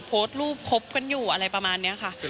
โพสต์รูปคบกันอยู่อะไรประมาณนี้ค่ะ